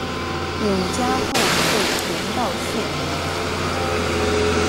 永嘉后废严道县。